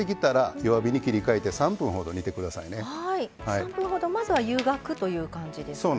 ３分ほどまずは湯がくという感じですね。